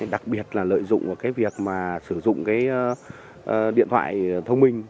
đặc biệt là lợi dụng vào cái việc mà sử dụng cái điện thoại thông minh